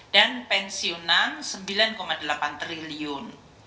dan pensiunan rp sembilan delapan triliun